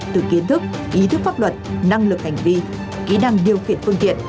từ kiến thức ý thức pháp luật năng lực hành vi kỹ năng điều khiển phương tiện